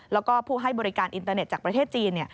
แล้วก็ผู้ให้บริการอินเตอร์เน็ตจากประเทศจีน